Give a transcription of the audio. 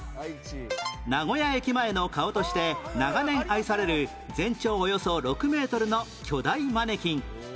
名古屋駅前の顔として長年愛される全長およそ６メートルの巨大マネキン